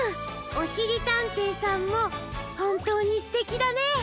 おしりたんていさんもほんとうにすてきだね！